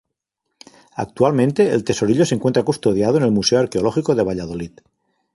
Actualmente, el tesorillo se encuentra custodiado en el Museo Arqueológico de Valladolid.